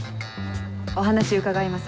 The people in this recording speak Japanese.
お話伺います。